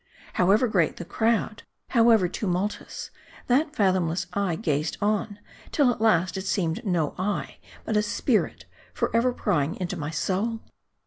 However great the crowd, however tumult uous, that fathomless eye gazed on ; till at last it seemed no eye, but a spirit, forever prying into my soul.